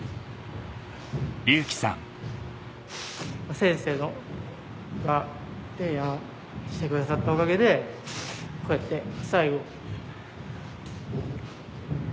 先生が提案してくださったおかげでこうやって最後。